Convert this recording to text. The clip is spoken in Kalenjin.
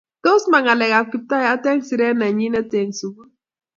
tos ma ngalek ab kiptayat eng siret nenyinet eng sungul